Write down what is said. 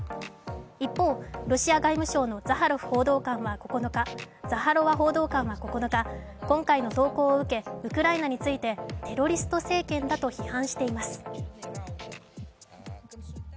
一方、ロシア外務省のザハロワ報道官は９日、今回の投稿を受けウクライナについてテロリスト政権だと批判しています。